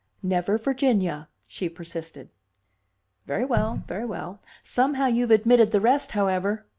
"Never Virginia," she persisted. "Very well, very well! Somehow you've admitted the rest, however."